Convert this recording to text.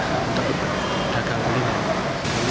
karena itu juga untuk kebutuhan saya untuk dagang kuliner